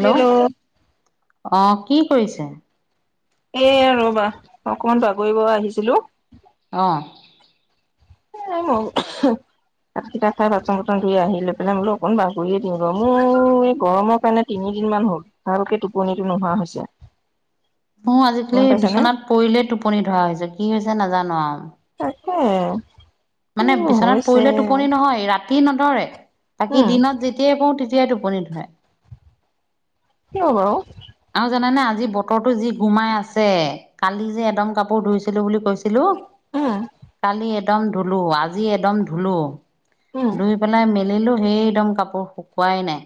Hello. অ কি কৰিছে? এ ৰবা অকমান বাগৰিব আহিছিলো। অহ। ম [unintelligible] ভাতকিটা খাই বাচন বৰ্তন ধুই আহি লৈ পেলাই বোলো অকণমান বাগৰিয়ে দিও। ৰহ এ গৰমৰ কাৰণে তিনি দুদিনমান হ'ল ভালকে টোপনিটো নোহোৱা হৈছে। মোৰ আজিকালি গম পাইছানে বিচনাত পৰিলেই টোপনি ধৰা হৈছে। কি হৈছে নাজানো আৰু। তাকে। মানে কিনো বিচনাত হৈছে পৰিলে টোপনি নহয়। ৰাত তি নধৰে। বাকী উম দিনত যেতিয়াই শুও তেতিয়াই টোপনি ধৰে। কিয় বাও? আৰু জানে নে আজি বতৰটো যি গুমাই আছে। কালি যে এদম কাপোৰ ধুইছিলো বুলি কৈছিল ছিলো। উম কালি এদম ধুলো, আজি এদম ধুলো। উম ধুই পেলাই মেলিলো সেইদম কাপোৰ শুকুৱাই নাই।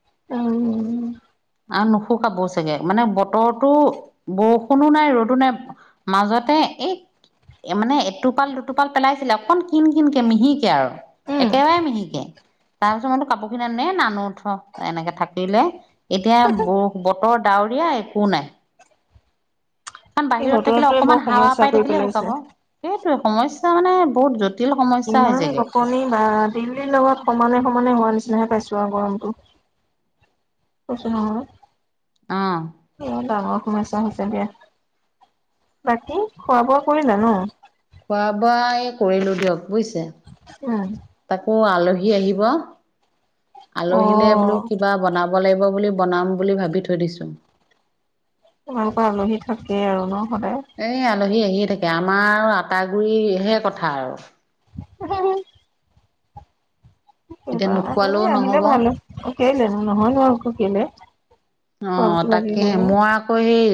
উম। আৰু নুশুকাব চাগে। মানে বতৰটো বৰষুণো নাই, ৰ'দো নাই। মাজতে এই মানে এটোপাল, দুটোপাল পেলাইছিলে। অকন কিন কিনকে মিহিকে আৰু। উম একেবাৰে মিহিকে। তাৰ পিছত মইতো কাপোৰ খিনি আনো এ নানো থ। এনেকে থাকিলে এতিয়া ব বতৰ ডাৱৰীয়া একো নাই। কাৰণ এই বাহিৰত থাকিলে বতৰটোৱে বৰ অকমান হাৱা সমস্যা পাই কৰি থাকিলে পেলাইছে শুকাব। সেইটোৱে সমস্যা মানে বহুত জট ইমান গপনি বা দিল্লীৰ লগত সমানে সমানে হোৱা নিচিনা। হে পাইছো আৰু গৰমটো। কৈছোঁ অ নহয়। এ ডাঙৰ সমস্যা হৈছে দিয়া। বাকী খোৱা বোৱা কৰিলা ন? খোৱা বোৱা এই কৰিলো দিয়ক বুজিছে। উম, তাকো আলহী আহিব। অ আলহীলে বোলো কিবা বনা বনাব লাগিব বুলি বনাম বুলি ভাবি থৈ দিছো। তোমালোকৰ আলহী থাকেই আৰু ন সদায়। এই আলহী আহিয়ে থাকে। আমাৰ আটা গুৰি হে কথা আৰু। হু হম এতিয়া আলহী নোখোৱালেও আহিলে নহ'ব। ভালো। কেলেনো নহয়নো আৰু কেলে। অ, খোৱাবতো তাকে লাগিবই। মই আকৌ সেই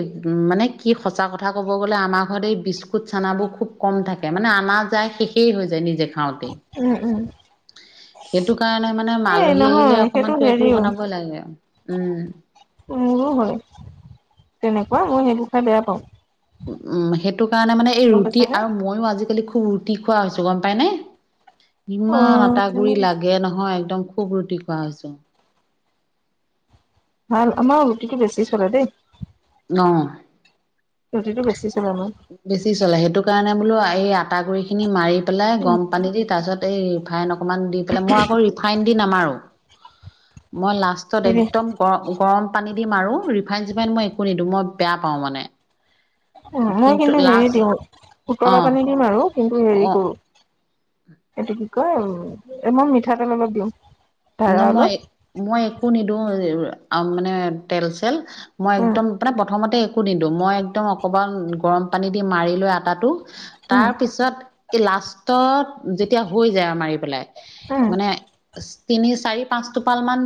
মানে কি সঁচা কথা ক'ব গ'লে আমাৰ ঘৰত এই বিস্কুট চানাবোৰ খুব কম থাকে। মানে আনা যায় শেষেই হৈ যায় নিজে খাওঁতেই। উম, উম। [inaudible] সেইটো কাৰণে মানে এ আলহী আহিলে নহয় সেইটো অকমান কিবা কিবি হেৰিও বনাবই লাগে। উম। মোৰো হয় তেনেকুৱা। মই সেইবোৰ খাই বেয়া পাওঁ। উম সেইটো কাৰণে মানে এই গম ৰুটি পাইছানে? আৰু মইও আজিকালি ৰুটি খোৱা হৈছো। গম পাই নে? অ ইমান আটা গুৰি লাগে নহয় একদম। খুব ৰুটি খোৱা হৈছে। ভাল, আমাও ৰুটিটো বেছি চলে দেই। অ, ৰুটিটো বেছি চলে আমাৰ। বেছি চলে। সেইটো কাৰণে ম ই আটা গুৰিখিনি মাৰি পেলাই উম গৰম পানী দি তাৰপিছত এই ৰিফাইন অকন অকমান দি পেলাই, মই আকৌ ৰিফাইন দি নামাৰো। মই লাষ্টত হেৰি একদম গৰম গৰম পানী দিম আৰু ৰিফাইন -চিফাইন মই একো নিদো মই বেয়া পাওঁ মানে। উম, মই কিন্তু হেৰি দিওঁ ওটলা অ', পানী দিম আৰু কিন্তু হেৰি অ', কৰো এইটো কি কয় উম এ মই মিঠাতেল অলপ দিম। ন' মই -মই একো নিদিওঁ মানে তেল - চেল। মই উম একদম মানে প্ৰথমতে একো নিদো মই একদম অকমান গৰম পানী দি মাৰি লৈ আটাটো উম তাৰ পিছত এই লাষ্টত যেতিয়া হৈ যায় আৰু মাৰি উম [unintelligible] মানে [unintelligible] তিনি চাৰি, পাঁচ টোপাল মান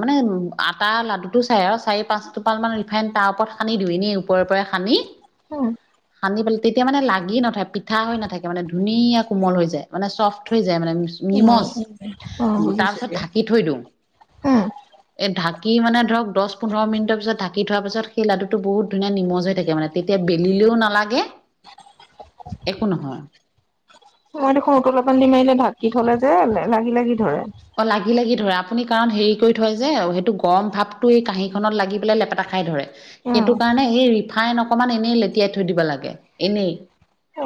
মানে আটা- লাড্ডুটো চাই আৰু চাৰি -পাঁচটোপাল ৰিফাইণ তাৰ ওপৰত সানি দিও এনে ওপৰে-ওপৰে সানি উম। পানী পাল তেতিয়া মানে লাগি নথই পিঠা হৈ নাথাকে মানে ধুনীয়া কোমল হৈ যায় মানে চফ্ট হৈ [unintelligible] নিমজ অ বুজিছো তাৰপিছত দিয়া ঢাকি থৈ দিও। উম [inaudible] এই ঢাকি ঢাকি মানে ধৰক দচ -পোন্ধৰ মিনিটৰ পিছত ঢাকি থোৱাৰ পিছত সেই লদ্দুটো বহু ধুনীয়া নিমজ হৈ থাকেমানে তেতিয়া বেলিলেও নালাগে [inaudible] একো নহয়। মই দেখোন উতলা পানী দি মাৰিলে ঢাকি থলে যে লাগি- লাগি ধৰে। অহ, লাগি- লাগি ধৰে আপুনি কাৰণ হেৰি কৰি থয় যে সেইটো গৰম ভাৱটো এই কাহিখনত লাগি পেলাই লেপেটা খাই ধৰে। অ সেইটো কাৰণে এই ৰিফাইন অকমান এনেই লেতিয়াই থৈ দিব লাগে, এনেই অ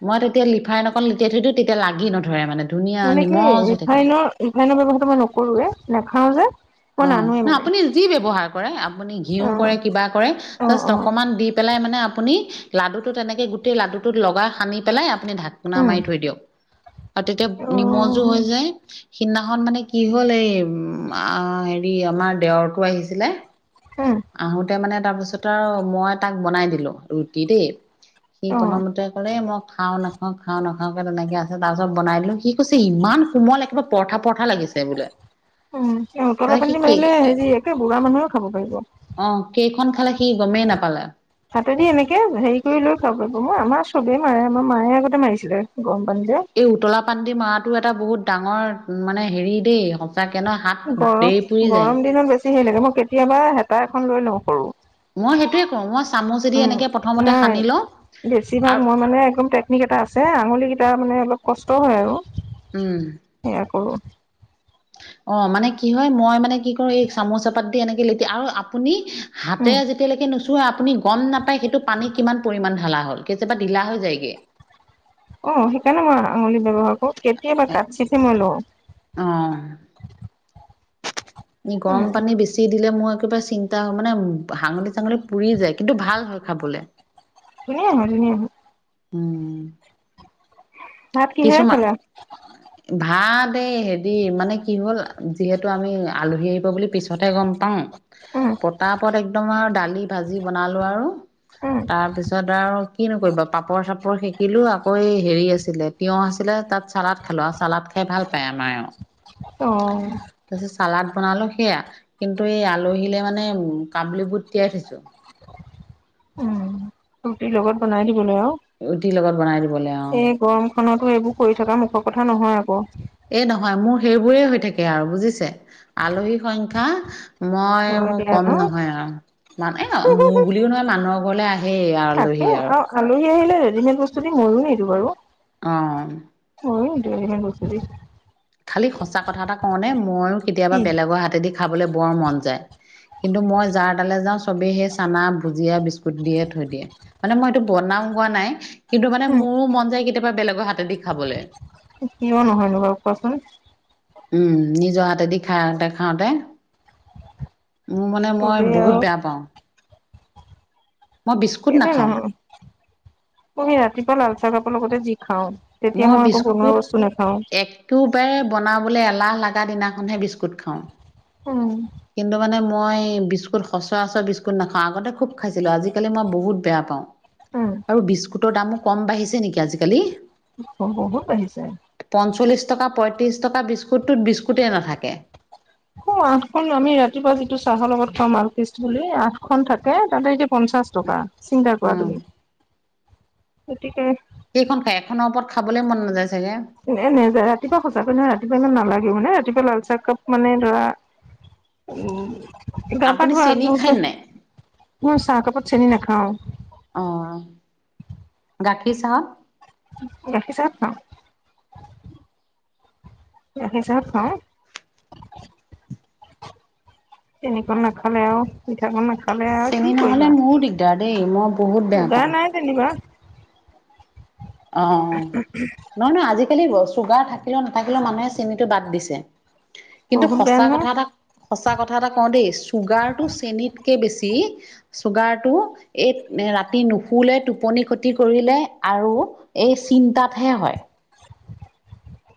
[inaudible] মই তেতিয়া লিফাইন অকন লেটিয়াই থৈ দিওঁ তেতিয়া লাগি নধৰে মানে ধুনীয়া মানে কি নিমজ হৈ থাকে। ৰিফাইনৰ ব্যৱহাৰটো মই নকৰোৱে নেখাও যে মই অহ, নানোৱে মানে ন'আপুনি যি ব্যৱহাৰ কৰে আপ আপুনি অ ঘিউ কৰে কিবা কৰে অ অ জাষ্ট অকমান দি পেলাই মানে আপ আপুনি লাড্ডুটো তেনেকে গোটেই লাড্ডুটোত লগাই সানি পেলাই আপুনি ঢাককনা উম মাৰি থৈ দিয়ক। আৰু অ তেতিয়া নিমজো হৈ যায়, সিদিনাখন মানে কি হল এই উম আ হেৰি আমাৰ দেৱৰতো আহিছিলে উম আহোতে মানে তাৰপিছত আৰু মই তাক বনাই দিলো ৰুটি দেই সি অ প্ৰণমতে কলে মক খাও নাখাও -খাও নাখাও কে তেনেকে আছে তাৰ পিছত বনাই দিলোঁ সি কৈছে ইমান কোমল একেবাৰে পৰঠা -পৰঠা লাগিছে। ছে বুলে। উম, উতলা পানী দি মাৰিলে হেৰি একে বুঢ়া মানুহে খাব পাৰিব। অ কেইখন খালে সি গমেই নাপালে। হাতেদি এনেকে হেৰি কৰি লৈ খাব পাৰিব। মই আমাৰ চবেই মাৰে আমাৰ মায়ে আগতে মাৰিছিলে গম। এই উতলা পানডি মাৰটো এটা বহুত ডাঙৰ মানে হেৰি দেই তাকে নহ হাত গৰম দেই পুৰি যায়। গৰম [unintelligible] মই কেতিয়াবা হেতা এখন লৈ লওঁ সৰু। মই সেইটোয়ে কও মইচ উম, নাই বেছিভাগ আৰু মই মানে একদম টেকনিক এটা আছে আঙুলি কেইটা মানে অলপ কষ্ট হয় আৰু সেয়া কৰো। অহ, মানে কি হয় মই মানে কি কৰো এই চামুচ এপাত দি এনেকে লেতি আৰু আপুনি উম হাতেৰে যেতিয়ালৈকে নো চোৱা আপুনি গম নাপাই সেইটো পানী কিমান পৰিমান ঢালা হ'ল কেতিয়াবা ঢিলা হৈ যায়গে। অহ, সেইকাৰণে মই আঙুলি ব্যৱহাৰ কৰো কেতিয়াবা কাটচিহে মই লওঁ। অহ [unintelligible] উম গৰম পানী বেছি দিলে মোৰ একেবাৰে চিন্তা হয় মানে হাঙলি চাঙলি পুৰি যায় কিন্তু ভাল হয় খাবলে। ধুনীয়া হয় -ধুনীয়া হয়। উম ভাত কিহেৰে কিছুমান খালা [inaudible] ভাব হে ৰি মানে কি হল যিহেতু আমি আলহী আহিব বুলি পিছ পিছতে গম পাওঁ উম পতাপত একদম আৰু দালি ভাজি বনালো আৰু উম তাৰ পিছত আৰু কি নকৰিব পাপৰ চাপৰ শিকিলো আকৌ। আকৈ হেৰি আছিলে তিয়হ আছিলে তাত চালাদ খালো আৰু চালাদ খাই ভাল পায় আমাৰ। অঁ। আপোনালোক সেয়া কিন্তু এই আলহীলৈ মানে উম কাবুল বুট তিয়াই থৈছো। উম ৰুটিৰ লগত বনাই দিব। জুলাই আৰু, ৰুটিৰ লগত বনাই দিবলৈ অ এই গৰম খতো এইবোৰ কৰি থকা মুখৰ কথা নহয় আকৌ। এ নহয় মোৰ সেইবোৰেই হৈ থাকে আৰু বুজিছে আলহী সংখ্য। মই হয় মোৰ দিয়া ন কম নহয় আৰু, মানে মোৰ বুলিও নহয় মানুহৰ ঘৰলে আ। থাকে আৰু আলহী আহিলে ৰেডিমেড বস্তু দি মইয়ো নিদি বাৰু। অঁ। হয় কৈছে। খালি সঁচা কথা এটা কওঁনে ময়ো কেতিয়াবা বেলেগৰ হাতেদি খাবলৈ বৰ মন যায়। কিন্তু মই যাৰ এ তালে যাওঁ চবেই সেই চানা ভুজিয়া বিস্কুট দিয়ে থৈ দিয়ে মানে মই এইটো বনাম। গোৱা নাই কিন্তু মানে মোৰো মন যায় কেতিয়াবা বেলেগৰ হাতে দি খাবলৈ। কিয় নহয়োব কোৱাচোন উম নিজৰ হাতেদি খাতে খাওঁতে। মোৰ মানে মই চবেই আৰু বহুত বেয়া পাওঁ। মই বিস্কুট সেইটোই নাখাওঁ নহয় পু সি ৰাতিপুৱা লালচাহ কাপোৰ লগতে যি খাও। মই বিস্কুট একেবাৰে বন। বোলে এলাহ লগা দিনাখনহে বিস্কুট খাওঁ। উম। কিন্তু মানে মই বিস্কুট সচৰাচৰ বিস্কুট নাখাওঁ আগতে খুব খাইছিলো আজিকালি মই বহুত বেয়া পাওঁ। উম আৰু বিস্কুটৰ দামো কম বাঢ়িছে নেকি আজিকালি হ হ পাইচায় পঞ্চল্লিশ টকা পঁয়ত্ৰিছ টকা বিস্কুটটোত বিস্কুটেই নাথাকে অঁ আঠখন আমি ৰাতিপুৱা যিটো চাহৰ লগত খাওঁ মালকৃষ্ট বুলি আঠখনন থাকে তাতে এতিয়া পঞ্চাশ টকা চিন্তাৰ কৰা উম তুমি গতিকে সেইখন খাই এখনৰ ওপৰত খাবলৈ মন নাযায়। চাগে এ নাযায় ৰাতিৱাঁচাকৈ নহয় ৰাতিপুৱা ইমান নালাগে মানে আজিপাল লালচাহ কাপ মানে ধৰা উ গা পা আপুনি চেনি খায় ধোৱাত নাই? মই চাহ কাপত চেনি নাখাওঁ। আঁহ গাখীৰ চাঁহ ৰাখিছাত ন তাৰপিছত হাঁ এনেকা নাখালে আৰু পিঠাখন নাখাল। ফালে আৰু চেনি কি নহ'লে কৰিবা মোৰো দিগদাৰ দেই মই বহুত বেয়া পাওঁ। চগাৰ নাই যেনিবা। অ নহয় নহয় আজিকালি চুগাৰ থাকিলেও নাথাকিলেও মানুহে চেনটো বাদ দিছে। কিন্তু বহুত বেয়া সচা কথা নহয় এটা সঁচা কথা এটা কওঁ দেই চুগাৰটো চেনীত। কে বেছি চুগাৰটো এই ৰাতি নুশে টোপনি ক্ষতি কৰিলে। আৰু এই চিন্তাতহে হয়।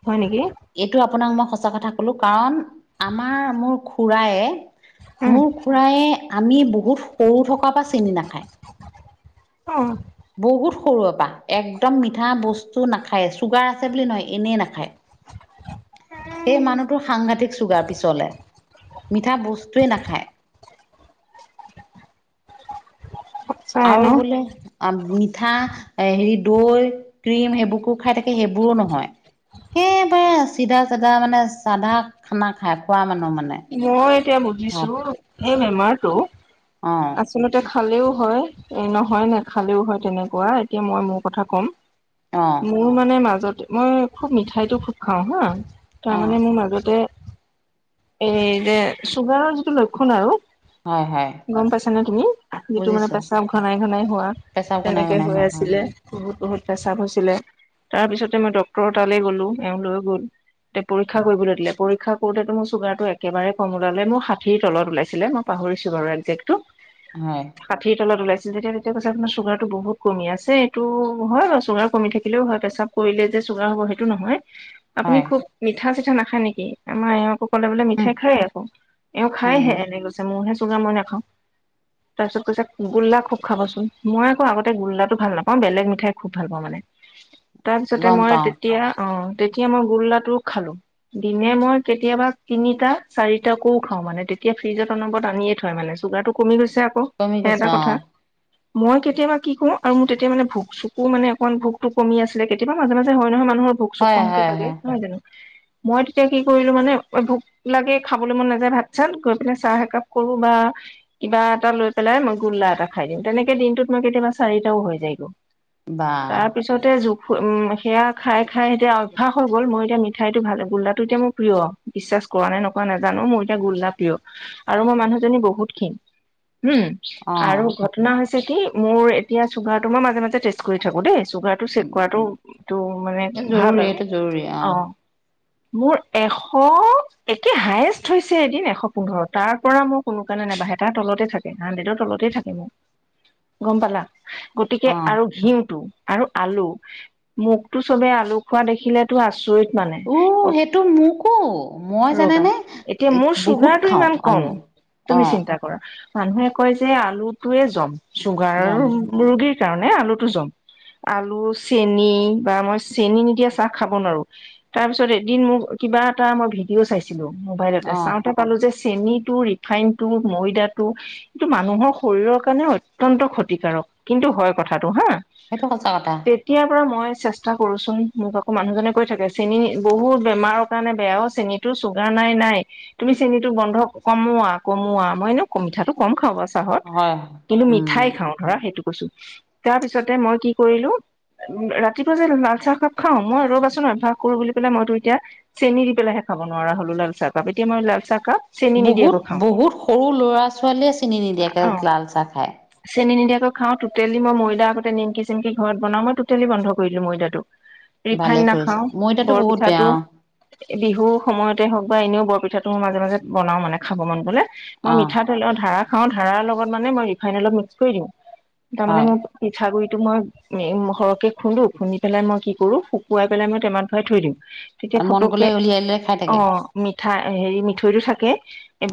হয় নেকি এইটো আপোনাক মই সঁচা কথা কলো কাৰণ আমাৰ মোৰ খুৰায়। উম মোৰ খুৰায়ে আমি বহুত সৰু থকা বা চিন নাখায়। অঁ। বহুত সৰুৰে পৰা একদম মিঠা বস্তু নাখায় চুগাৰ আছে বুলি নহয় এনেই নাখায়। সেই মানুহটো সাংঘাতিক। চুগাৰ পিছলে মিঠা বস্তুৱে নাখায়। [inaudible] সঁচাই আৰু ন বোলে আঁ। পিঠা এ হেৰি দৈ ক্ৰীম সেইবোৰকো খাই থাকে সেইবোৰো নহয়। একেবাৰে চিধা চিধা মানে চাধা খানা খাই খোৱা মানুহ মানে। মই এতিয়া বুজিছো ভাত এই বেমাৰটো অ আচলতে। খালেওঁ হয় এ নহয় নে খালেওঁ হয় তেনেকুৱা এতিয়া মই মোৰ কথা ক'ম। অ মোৰ মানে মাজতে মই খুব মিঠাইতটো খুব খাওঁ হাঁ। অ তাৰমানে মোৰ মাজতে। এই যে চুগাৰৰ যিটো লক্ষণ আৰু। হয় হয়। গম পাইছ নে তুমি যিটো মানে বুজিছো পেচা ঘনাই ঘনাই হোৱা। পেচাব ঘনাই তেনেকে ঘনাই হৈ হয় আছিলে বহুত বহুত প্ৰেচ্ৰাৱ হৈছিলে। তাৰপিছতে মই ড্টৰ তালৈ গ'লো এওঁ লৈ গ'ল। তে পৰীক্ষা কৰিবলৈ দিলে পৰীক্ষা কৰোতেটো মোৰ চুগাৰ। একেবাৰে কম ওলাল মোৰষাঠিৰ তলত ওলাইছিলে মইাহৰিছো বাৰু একে্ হয় হয় ষাঠিৰ তলত ওলাইছে। যেতিয়া তেতিয়া কৈছে আপোনাৰ চুগাৰ টো বহুত কমি আছে এইটো হয় বাৰু চুগাৰ কমি থাকিলেওঁ হয় পেছাব কৰিলে যে। হয় [inaudible] উম ঠেহ খাই আকৌ এওঁ উম খাইহে এনে গৈছে মোৰহে চুঙা মই নাখাওঁ। তাৰপিছত কৈছে গোল্লা খুব খাবচোন মই আকৌ আগতে গোল্লাটো ভাল নাপাওঁ বেলেগ মিঠাই খুব ভাল পাওঁ মানে। উ [inaudible] তাৰপিছতে মই তেতিয়া অঁ। তেতিয়া মই গোল্লাটোও খালোঁ দিনে মই কেতিয়াবা তিনি টা-চাৰিটাকো খাও মানে তেতিয়া ফ্ৰিজত অনবৰত আনিয়ে থয় মানে চুগাৰটো কমি গৈছে। আকৌ কমি সেই গৈছে এটা অ কথা মই কেতিয়াবা কি কৰো আৰু মোৰ তেতিয়া মানে ভোক চুকো মানে অকণমান ভোকতো কমি আছিলে কেতিয়াবা মাজে-মাজে হয় নহয় মা। মানুহৰ ভোক-চোক হয় কমকে হয় লাগে হয় নহয় জানো মই তেতিয়া কি কৰিলো মানে ভোক। লাকে খাবলৈ মন নাযায় ভাত চাত গৈ পিনে চাহ একাপ কৰো বা কিবা এটা লৈ পেলাই মই গ। গোল্লা এটা খাই দিওঁ তেনেকে দিনটোত ম‌ই কেতিয়াবা চাৰিটাও হয় গে বা তাৰপিছতে উম সেয়া খাই খাই এতিয়া অভ্যাস হৈ গ'ল মই এতিয়া মিঠাইটো ভাল গোল্লাটো এতিয়া মোৰ প্ৰিয় বিশ্বাস। কৰা নে নকৰা নাজানো মোৰ এতিয়া গোল্লা প্ৰিয় আৰু মই মানুহজনী বহুত ক্ষিন। উম অ আৰু ঘটনা হৈছে কি মোৰ এতিয়া চুগাৰটো মই মাজে মাজে টেষ্ট কৰি থাকো দেই। চুগাৰটো চেক কৰাটো তটো মানে ভাল জৰুৰী আৰু এইটো জৰুৰী অ অঁ। মোৰ এশ। একে হায়েষ্ট হৈছে এদিন এশ পোন্ধৰ তাৰ পৰা মোৰ কোনো কাৰণে নাবাঢ়ে তাৰ তলতে থাকে হাণ্ড্ৰেডৰ তলতে। থাকে মোক গম পালা গতিকে অ আৰু ঘিউটো। আৰু আলু মোকতো চবে আলু খোৱা দেখিলেতো আচৰিত। মানে উ সেইটো মোকো মই। ৰ'বা জানানে এতিয়া এ মোৰ বহুত চুগাৰটো খাওঁ ইমান কম আলু অ তুমি চিন্তা কৰা। মানুহে কয় যে আলুটোৱে জম চুগাৰ জম ৰোগীৰ কাৰণে আলুটো জম। আলু, চেনি বা মই চেনি নিদিয়া চাহ খাব নোৱাৰো তাৰ পিছত এদিন মোক। কিবা এটা মই ভিডিঅ' চাইছিলো মোবাইলতে অ চাওঁতে পালো যে। চেনটো, ৰিফাইনটো, ময়দাটো, এইটো মানুহৰ শৰীৰৰ কাৰণে অত্যন্ত ক্ষতিকাৰক। কিন্তু হয় কথাটো হাঁ সেইটো সঁচা কথা তেতিয়াৰ পৰা মই চেষ্টা কৰোচোন মোক আকৌ মানুহজনে কৈ থাকে চেনী বহুত বেমাৰৰ কাৰণে বেয়াও চেনী। টো চুগাৰ নাই-নাই তুমি চেনতো বন্ধ কমোৱা কমোৱা মই নো মিঠাটো কম খাওঁ বাওঁ। চাহত হয় কিন্তু উম মিঠাই খাওঁ ধৰা সেইটো কৈছো তাৰপিছতে মই কি কৰিলো। ৰাতিপুৱা যে লাল চাহ খাপ খাও মই ৰ'বাচোন অভ্যাস কৰো বুলি পেলাই মইতো এতিয়া চেনি দি পেলাই হে খাব নোৱাৰা হলো লাল চাহকাপ এতিয়া মই লালচাহ। বহুত-বহুত সৰু লৰা-ছোৱালীয়ে চিনি অ নিদিয়েে লাল চাহ খাই। চেনি নিদিয়াকৈ খাওঁ টোটেলি মই ময়দা আগতে নিমকি-চিমকি ঘৰত বনাওঁ মই টোটেলি বন্ধ কৰি দিলোঁ ময়দাটো। ৰিফাইন ভালে কৰিছে নাখাওঁ ময়দাটো বহুত বেয়া বৰপিঠাটো বিহু। সময়তে হওক বা এনেও বৰপিঠাটো ম‌ই মাজে-মাজে বনাও মানে খাব মন গ'লে মই অ অ মিঠাতেলৰ ধাৰা। খাওঁ ধাৰাৰ লগত মানে মই ৰিাইন অলপ মিক্স কৰি দিওঁ তাৰ মানে হয় মোৰ পিঠাগুৰি। টো মই উম সৰহকে খুন্দো খুন্দি পেলাই মই কি কৰো শুকুৱাই পেলাই মই টেমাত ভৰাই থৈ দিম [unintelligible] আৰু মন গলে উলিয়াই লৈ খাই [unintelligible] অ' মিঠা [unintelligible] মিঠা হেৰি মিঠৈটো থাকে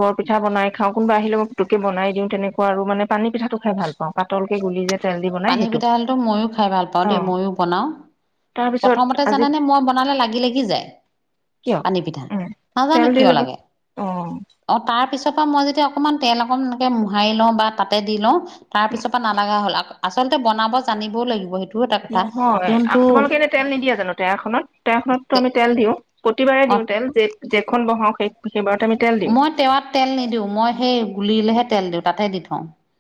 বৰ পিঠা বনাই খাওঁ কোনোবা আহিলে মই পুতুকে বনাই দিওঁ তেনেকুৱা আৰু মানে [unintelligible] পানী পিঠাটো খাই ভাল পাওঁ পাতলকে গুলি যে [unintelligible] পানী সেইটো পিঠা হলতো মইয়ো খাই ভাল পাওঁ অ দেই মইয়ো বনাওঁ [unintelligible] তাৰপিছত প্ৰথমতে আজি জানে নে মই বনালে লাগি-লাগি যায়। কিয়? পানী পিঠা উম, [unintelligible] তেল নাজানো দি কিয় ল'ব। লাগে অ', অ' তাৰ পিছত [unintelligible] পিছৰ পৰা মই যেতিয়া অকণমান তেল অকণ এনেকে মোহাৰি লওঁ বা তাতে দি লওঁ তাৰ পিছৰ পৰা নালাগা হ'ল [unintelligible] আচলতে বনাব জানিবও লাগিব সেইটোও এটা কথা নহয় যোনটো তোমালোকে [unintelligible] এনে তেল নিদিয়ে জানো তেৰাখনত তেৰাৰখনতো আমি তেল দিওঁ প্ৰতিবাৰে অ দিওঁ তেল যে [unintelligible] যেখন বহাও সেইখন [unintelligible] মই তেৱাত তেল নিদিওঁ মই সেই গুলিলেহে তেল দিওঁ তাতে দি থওঁ [unintelligible]